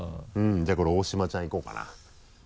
じゃあこれ大島ちゃんいこうかな。